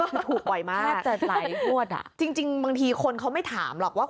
ครบถูกไว้มากจริงบางทีคนเขาไม่ถามหรอกว่า